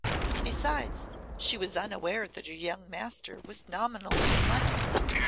Besides, she was unaware that her young master was nominally in London.